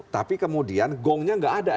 tapi kemudian gongnya nggak ada